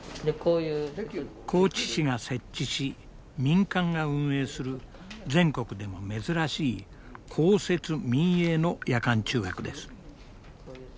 高知市が設置し民間が運営する全国でも珍しい公設民営の夜間中学です。